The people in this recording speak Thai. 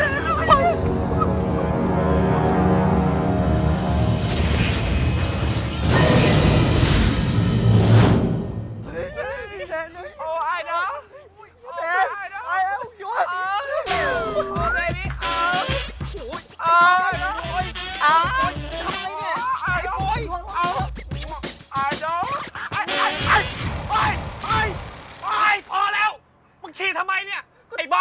เมื่อกูชี้ทำไมเนี่ยไอ้บอต